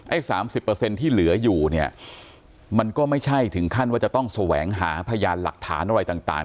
๓๐ที่เหลืออยู่เนี่ยมันก็ไม่ใช่ถึงขั้นว่าจะต้องแสวงหาพยานหลักฐานอะไรต่าง